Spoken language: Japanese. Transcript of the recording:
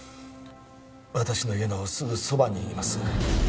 私の家のすぐそばにいます